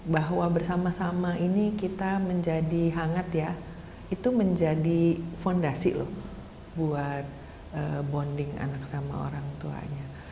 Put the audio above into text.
bahwa bersama sama ini kita menjadi hangat ya itu menjadi fondasi loh buat bonding anak sama orang tuanya